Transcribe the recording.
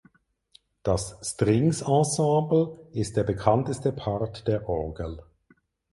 Das "Strings Ensemble" ist der bekannteste Part der Orgel.